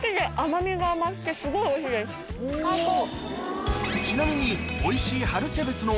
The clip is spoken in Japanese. すごいおいしいです最高！